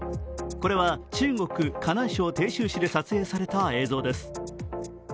これは中国・河南省鄭州市で撮影された映像です。